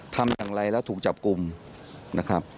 ทำอย่างไรแล้วถูกจับกลุ่มนะครับ